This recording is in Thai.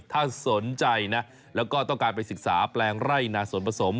ถ้าสนใจนะแล้วก็ต้องการไปศึกษาแปลงไร่นาสวนผสม